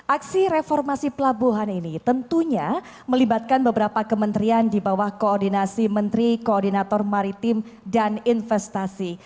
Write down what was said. aksi reformasi pelabuhan ini tentunya melibatkan beberapa kementerian di bawah koordinasi menteri koordinator maritim dan investasi